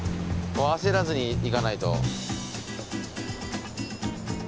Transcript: あせらずにいかないと。